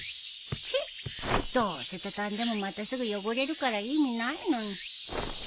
ちぇっどうせ畳んでもまたすぐ汚れるから意味ないのに。